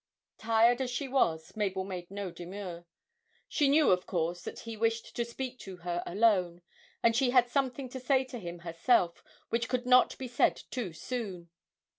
Tired as she was, Mabel made no demur. She knew, of course, that he wished to speak to her alone, and she had something to say to him herself, which could not be said too soon.